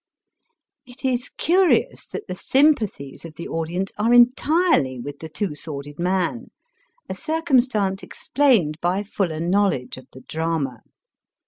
" It is curious that the sympathies of the audience are entirely with the Two S worded Man, a circumstance explained by fuller know ledge of the drama.